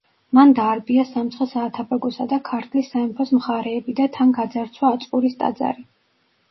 მან დაარბია სამცხე-საათაბაგოსა და ქართლის სამეფოს მხარეები და თან გაძარცვა აწყურის ტაძარი.